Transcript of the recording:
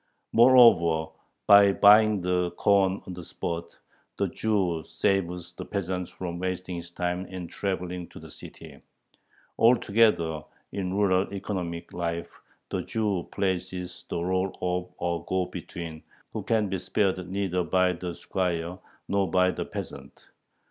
Moreover, by buying the corn on the spot, the Jew saves the peasant from wasting his time in traveling to the city. Altogether in rural economic life the Jew plays the rôle of a go between, who can be spared neither by the squire nor by the peasant.